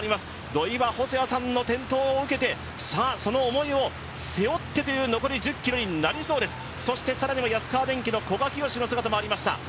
土井は細谷さんの転倒を受けて、その思いを背負ってという残り１０ｋｍになりそうです、更には安川電機の選手もありました。